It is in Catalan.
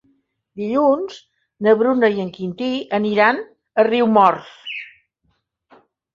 Dilluns na Bruna i en Quintí aniran a Riumors.